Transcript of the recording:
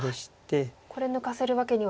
これ抜かせるわけには。